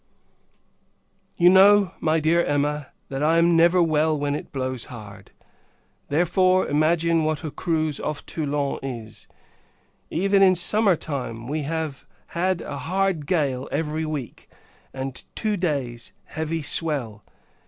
You know, my dear Emma, that I am never well when it blows hard. Therefore, imagine what a cruize off Toulon is; even in summer time, we have a hard gale every week, and two days heavy swell.